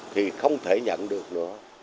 thì không thể nhận được nữa